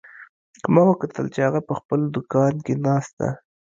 ما وکتل چې هغه په خپل دوکان کې ناست ده